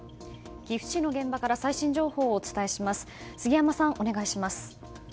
岐阜市の現場から最新情報をお伝えします。